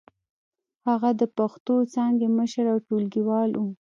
هغه د پښتو څانګې مشر او ټولګيوال و.